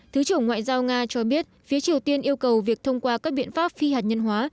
thứ trưởng ngoại giao nga cho biết phía triều tiên yêu cầu việc thông qua các biện pháp phi hạt nhân hóa